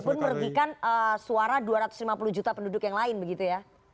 meskipun merugikan suara dua ratus lima puluh juta penduduk yang lain begitu ya